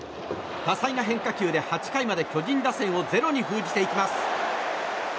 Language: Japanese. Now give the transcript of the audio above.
多彩な変化球で８回まで巨人打線をゼロに封じていきます。